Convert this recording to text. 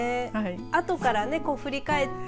あとからね、振り返って。